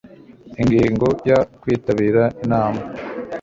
Ingingo ya kwitabira Inama